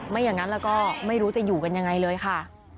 อย่างนั้นแล้วก็ไม่รู้จะอยู่กันยังไงเลยค่ะ